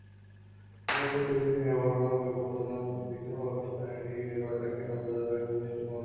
তিনি মস্তক তুলিতেই নিরাভরণা শুভ্রবসনা বিধবাবেশধারিণী গিরিবালা তাঁহাকে নতজানু হইয়া ভূমিষ্ঠ প্রণাম করিল।